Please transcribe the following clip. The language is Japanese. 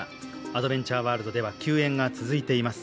アドベンチャーワールドでは休園が続いています。